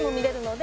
で